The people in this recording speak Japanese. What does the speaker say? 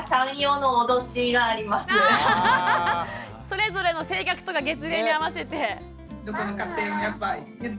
それぞれの性格とか月齢に合わせて。